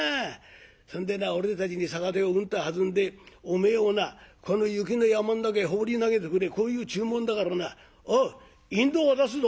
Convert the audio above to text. そんでな俺たちに酒手をうんとはずんでお前をなこの雪の山ん中へ放り投げてくれこういう注文だからなおう引導を渡すぞ」。